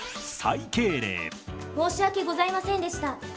申し訳ございませんでした。